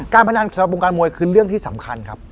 พนันสำหรับวงการมวยคือเรื่องที่สำคัญครับ